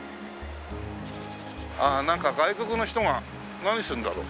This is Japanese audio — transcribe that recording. なんか外国の人が何してるんだろう？